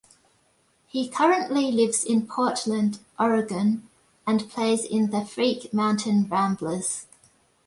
He currently lives in Portland, Oregon and plays in the Freak Mountain Ramblers.